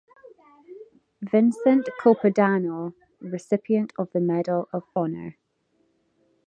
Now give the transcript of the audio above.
Vincent Capodanno, recipient of the Medal of Honor.